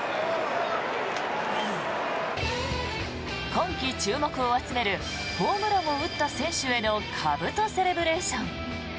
今季注目を集めるホームランを打った選手へのかぶとセレブレーション。